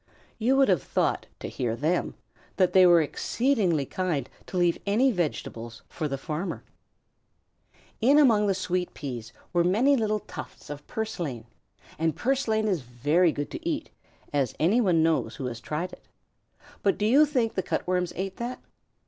You would have thought, to hear them, that they were exceedingly kind to leave any vegetables for the farmer. In among the sweet peas were many little tufts of purslane, and purslane is very good to eat, as anybody knows who has tried it. But do you think the Cut Worms ate that?